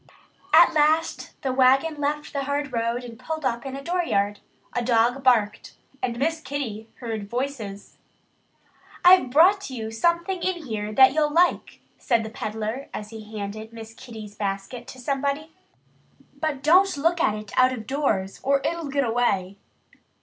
At last the wagon left the hard road and pulled up in a dooryard. A dog barked. And Miss Kitty heard voices. "I've brought you something in here that you'll like," said the peddler as he handed Miss Kitty's basket to somebody. "But don't look at it out of doors or it'll get away."